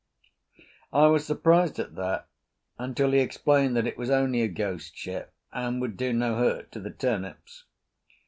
I was surprised at that until he explained that it was only a ghost ship and would do no hurt to the turnips.